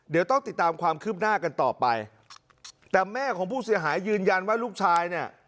เดี๋ยวต้องติดตามความคืบหน้ากันต่อไปแต่แม่ของผู้เสียหายยืนยันว่าลูกชายเนี่ย